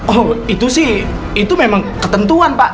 oh itu sih itu memang ketentuan pak